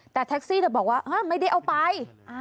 แต่แท็กซี่บอกว่าไม่ได้เอาไป